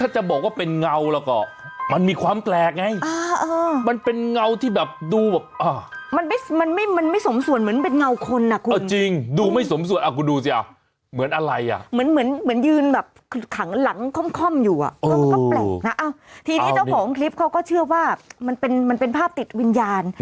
จ้าของคลิปเขาก็เชื่อว่ามันเป็นภาพติดวิญญาณ